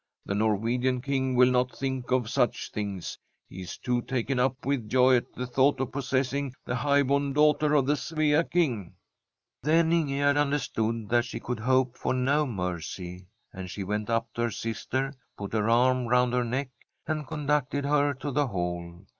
The Norwegian King will not think of such things ; he is too taken up with joy at the thought of possessing the high born daughter of the Svea King." ' Then Ingegerd understood that she could hope for no mercy. And she went up to her fister, put her arm round her neck, and con ducted her to the hall.